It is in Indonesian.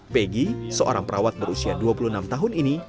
pegi seorang perawat berusia dua puluh enam tahun ini